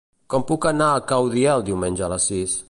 Com puc anar a Caudiel diumenge a les sis?